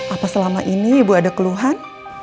apa selama ini ibu ada keluhan